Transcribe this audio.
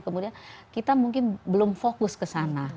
kemudian kita mungkin belum fokus ke sana